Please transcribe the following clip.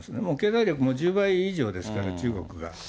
もう経済力も１０倍以上ですから、中国が。